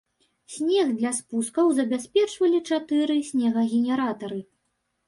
Снег для спускаў забяспечвалі чатыры снегагенератары.